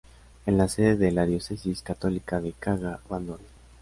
Es la sede de la diócesis católica de Kaga-Bandoro.